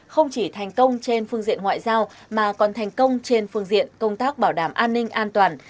không chỉ thành công trên phương diện ngoại giao mà còn thành công trên phương diện công tác bảo đảm an ninh an toàn